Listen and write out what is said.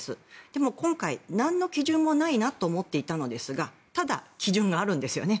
でも、今回なんの基準もないなと思っていたのですがただ基準があるんですよね。